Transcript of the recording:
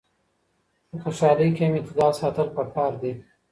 په خوشحالۍ کي هم اعتدال ساتل پکار دي.